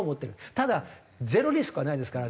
ただゼロリスクはないですから。